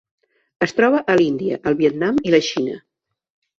Es troba a l'Índia, el Vietnam i la Xina.